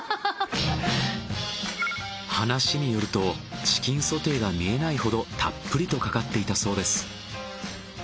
話によるとチキンソテーが見えないほどたっぷりとかかっていたそうです。